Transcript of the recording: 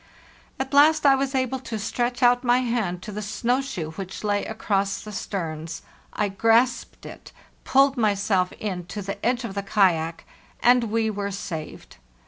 At last I was able to stretch out my hand to the snow shoe which lay across the sterns. I grasped it, pulled myself in to the edge of the kayak—and we were saved!